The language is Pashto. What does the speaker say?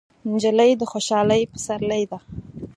نجلۍ د خوشحالۍ پسرلی ده.